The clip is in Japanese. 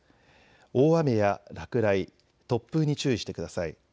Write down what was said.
大雨や落雷、突風に注意してください。